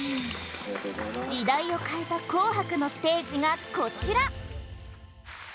時代を変えた「紅白」のステージがこちら！